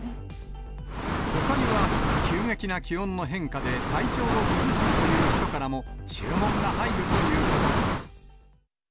おかゆは急激な気温の変化で体調を崩したという人からも注文が入るということです。